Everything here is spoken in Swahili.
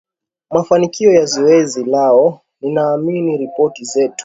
mafanikio ya zoezi lao Ninaamini ripoti zetu